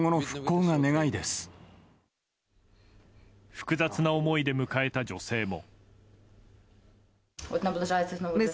複雑な思いで迎えた女性も。